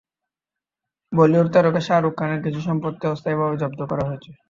বলিউড তারকা শাহরুখ খানের কিছু সম্পত্তি অস্থায়ীভাবে জব্দ করা হয়েছে।